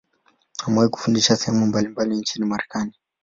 Amewahi kufundisha sehemu mbalimbali nchini Marekani.